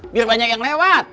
biar banyak yang lewat